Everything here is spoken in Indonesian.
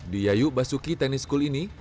di yayu basuki tenis school ini